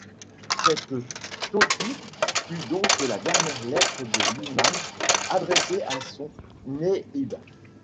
Cette Tawqi’ fut donc la dernière lettre de l’Imam adressée à son Nâïb.